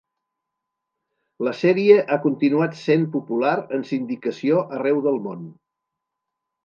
La sèrie ha continuat sent popular en sindicació arreu del món.